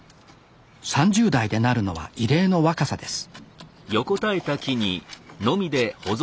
３０代でなるのは異例の若さです